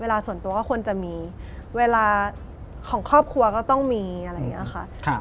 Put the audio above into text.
ส่วนตัวก็ควรจะมีเวลาของครอบครัวก็ต้องมีอะไรอย่างนี้ค่ะ